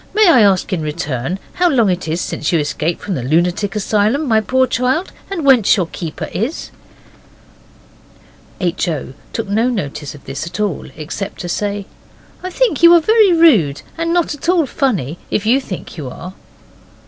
May I ask in return how long it is since you escaped from the lunatic asylum, my poor child, and whence your keeper is?' H. O. took no notice of this at all, except to say, 'I think you are very rude, and not at all funny, if you think you are.